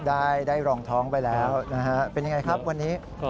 ได้รองท้องไปแล้วนะฮะเป็นยังไงครับวันนี้